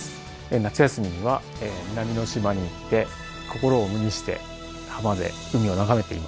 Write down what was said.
夏休みには南の島に行って心を無にして浜で海を眺めています。